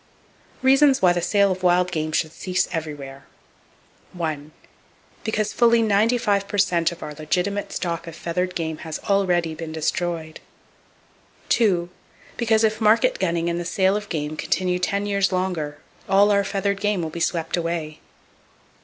Reasons Why The Sale Of Wild Game Should Cease Everywhere —Because fully 95 per cent of our legitimate stock of feathered game has already been destroyed. —Because if market gunning and the sale of game continue ten years longer, all our feathered game will be swept away.